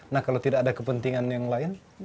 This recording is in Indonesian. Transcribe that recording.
nah kalau tidak ada kepentingan yang lain